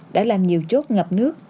đã làm nhiều chốt ngập nước